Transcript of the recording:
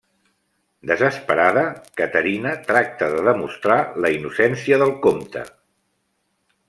Desesperada, Caterina tracta de demostrar la innocència del comte.